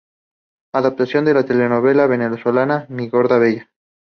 Adaptación de la telenovela venezolana "Mi gorda bella".